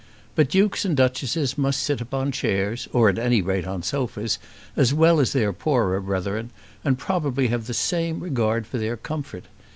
But Dukes and Duchesses must sit upon chairs, or at any rate on sofas, as well as their poorer brethren, and probably have the same regard for their comfort.